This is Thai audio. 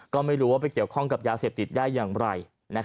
ก็ไม่รู้ว่าไปเกี่ยวข้องกับยาเสพติดได้อย่างไร